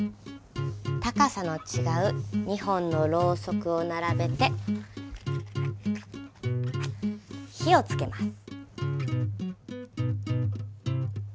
高さの違う２本のロウソクを並べて火を付けます。